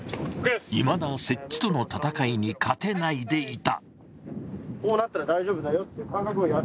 いまだ接地との戦いに勝てないでいた。